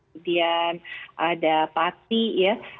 kemudian ada pati ya